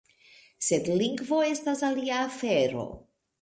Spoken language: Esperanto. Sed lingvo estas alia afero.